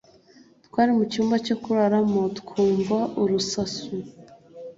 Twari mucyumba cyo kuraramo twumva urusasu.